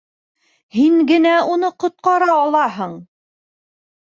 Һин генә уны ҡотҡара алаһың!